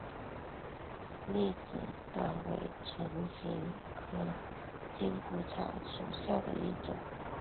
痢止蒿为唇形科筋骨草属下的一个种。